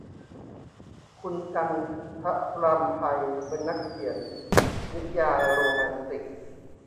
คุณจันทรำไพ เป็นนักเขียนนิยายโรแมนติก